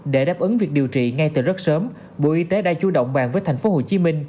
để đáp ứng việc điều trị ngay từ rất sớm bộ y tế đã chủ động bàn với tp hcm